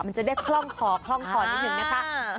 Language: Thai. มันจะได้คล่องคอคล่องคอนิดนึงนะคะ